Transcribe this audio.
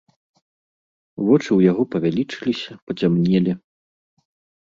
Вочы ў яго павялічыліся, пацямнелі.